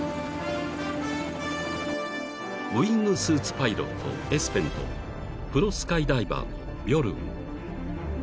［ウイングスーツパイロットエスペンとプロスカイダイバーのビョルン］